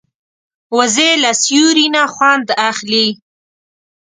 وزې له سیوري نه خوند اخلي